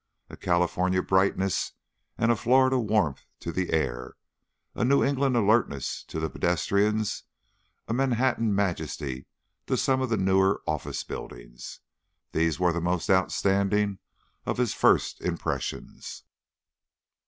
A California brightness and a Florida warmth to the air, a New England alertness to the pedestrians, a Manhattan majesty to some of the newer office buildings, these were the most outstanding of his first impressions.